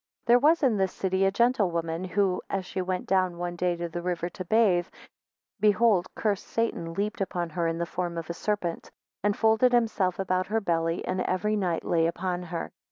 11 There was in this city a gentlewoman, who, as she went down one day to the river to bathe, behold cursed Satan leaped upon her in the form of a serpent. 12 And folded himself about her belly, and every night lay upon her.